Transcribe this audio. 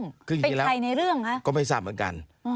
เป็นใครในเรื่องคะคืออย่างนี้แล้วก็ไม่ทราบเหมือนกัน